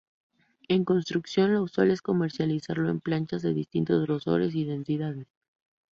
En construcción, lo usual es comercializarlo en planchas de distintos grosores y densidades.